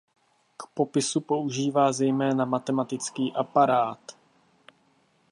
K popisu používá zejména matematický aparát.